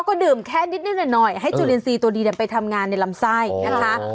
ก็ดื่มแค่นิดหน่อยให้จุลินทรีย์ตัวดีไปทำงานในลำไส้นะคะ